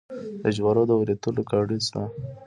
د جوارو د وریتولو ګاډۍ شته.